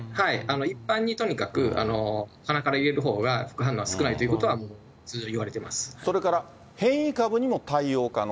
一般にとにかく、鼻から入れるほうが副反応は少ないということは通常、いわれてまそれから変異株にも対応可能。